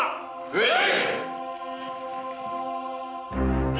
はい！